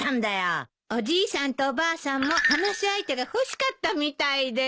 おじいさんとおばあさんも話し相手が欲しかったみたいで。